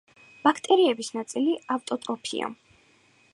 ბაქტერიების ნაწილი ავტოტროფია.